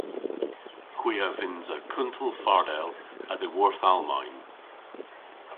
Hwi a vynnsa kuntel fardel a-dhyworth Almayn.